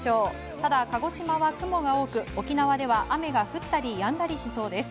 ただ、鹿児島は雲が多く沖縄では雨が降ったりやんだりしそうです。